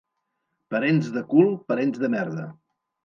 Parents de cul, parents de merda.